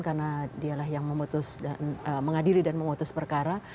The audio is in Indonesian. karena dialah yang memutus dan mengadili dan memutus perkara